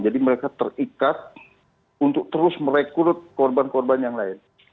jadi mereka terikat untuk terus merekrut korban korban yang lain